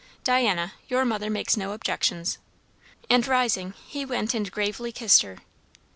"Diana, your mother makes no objections." And rising, he went and gravely kissed her.